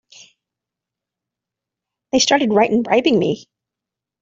They started right in bribing me!